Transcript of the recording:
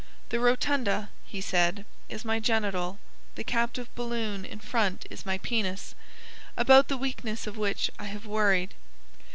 "The Rotunda," he said, "is my genital, the captive balloon in front is my penis, about the weakness of which I have worried."